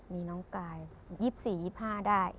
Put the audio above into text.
มีน้องกาย๒๔๒๕ได้